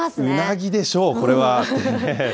うなぎでしょう、これは。